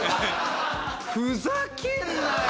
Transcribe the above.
ふざけんなよ！